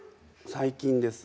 最近です。